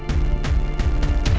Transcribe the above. tidak ada yang bisa dipercaya